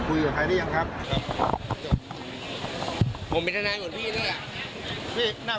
โอเคแล้วตอนนี้เจ้าหน้าที่ให้ทำอะไรบ้าง